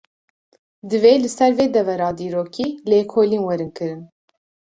Divê li ser vê devera dîrokî, lêkolîn werin kirin